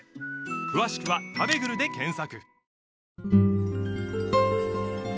詳しくは「たべぐる」で検索